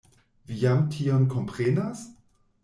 Vi jam tion komprenas?